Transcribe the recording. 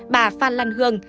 bà phan lan hương